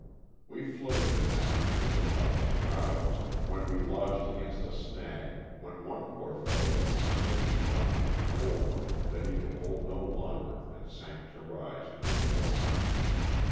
We floated in that manner for about two hours when we lodged against a snag, when one poor fellow became so benumbed with cold that he could hold no longer and sank to rise no more.